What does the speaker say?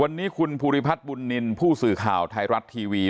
วันนี้คุณภูริพัฒน์บุญนินทร์ผู้สื่อข่าวไทยรัฐทีวี